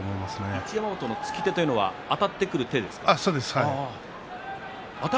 一山本の突き手というのはあたってくる手ですか。